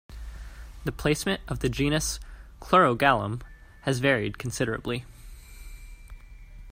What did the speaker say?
The placement of the genus "Chlorogalum" has varied considerably.